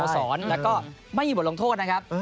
แล้วก็ไม่มีบทลงโทษนะครับ